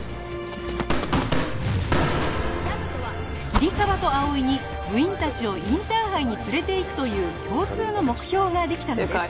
桐沢と葵に部員たちをインターハイに連れていくという共通の目標ができたのです